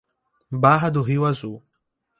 Barra do Rio Azul